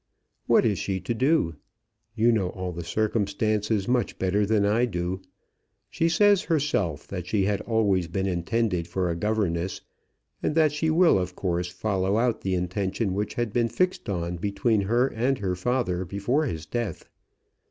What is she to do? You know all the circumstances much better than I do. She says herself that she had always been intended for a governess, and that she will, of course, follow out the intention which had been fixed on between her and her father before his death.